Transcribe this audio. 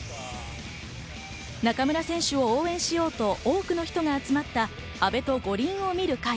中村選手を応援しようと多くの人が集まった「阿部と五輪を見る会」。